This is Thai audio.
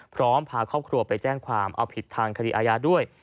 พาครอบครัวไปแจ้งความเอาผิดทางคดีอาญาด้วย